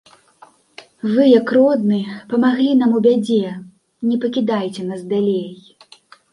Вы, як родны, памаглі нам у бядзе, не пакідайце нас далей.